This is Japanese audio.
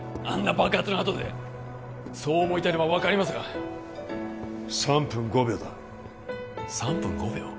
あんな爆発のあとでそう思いたいのは分かりますが３分５秒だ３分５秒？